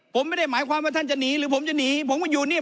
ผมไม่ได้หมายความว่าท่านจะหนีหรือผมจะหนีผมก็อยู่นี่